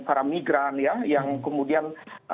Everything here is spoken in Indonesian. para migran yang kemudian